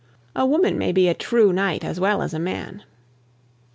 A woman be a "true knight" as well as a man.